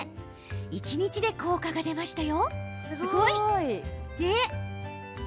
一日で効果が出ました。